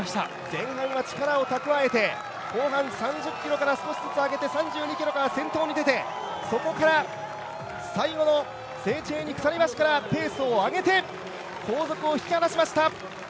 前半は力を蓄えて、後半３０ｋｍからペースを上げて３２ｋｍから先頭に出てそこから最後のセーチェーニ鎖橋からペースを上げて、後続を引き離しました。